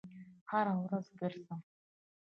هره ورځ ګرځم